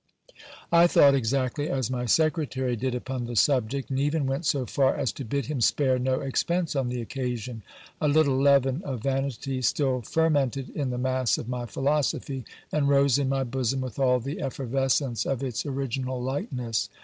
I thought exactly as my secretary did upon the subject ; and even went so far as to bid him spare no expense on the occasion. A little leaven of vanity still fermented in the mass of my philosophy, and rose in my bosom with all the effervescence of its original lightness.